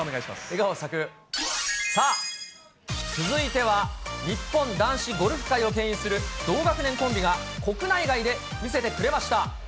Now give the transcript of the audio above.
さあ、続いては日本男子ゴルフ界をけん引する同学年コンビが、国内外で見せてくれました。